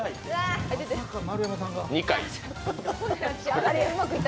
２回。